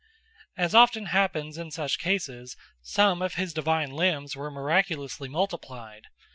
As often happens in such cases, some of his divine limbs were miraculously multiplied.